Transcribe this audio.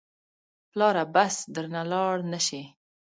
پلاره بس درنه لاړ نه شې.